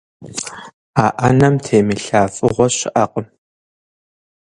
А ӏэнэм темылъа фӀыгъуэ щыӀэкъым.